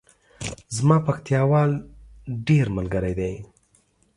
زما پکتیاوال ډیر ملګری دی